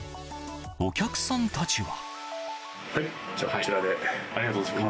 お客さんたちは。